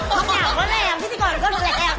แรงถอมเหนือกว่าแรงพิธีกรมันก็รู้แรง